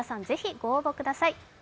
ぜひ御応募ください。